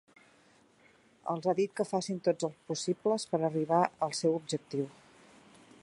Els ha dit que facin tots els possibles per arribar al seu objectiu.